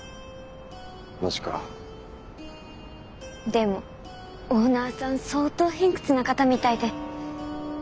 でもオーナーさん相当偏屈な方みたいで。